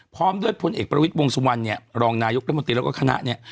พร้อมด้วยพลเอกประวิทย์วงสุวรรณเนี่ยรองนายกรัฐมนตรีแล้วก็คณะเนี่ย